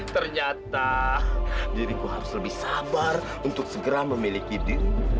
ternyata diriku harus lebih sabar untuk segera memiliki diri